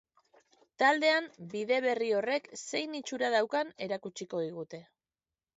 Taldean bide berri horrek zein itxura daukan erakutsiko digute.